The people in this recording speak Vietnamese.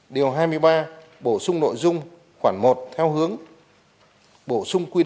điều hai mươi ba bổ sung nội dung khoản một theo hướng bổ sung quy định